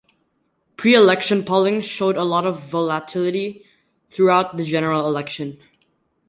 Pre-election polling showed a lot of volatility throughout the general election.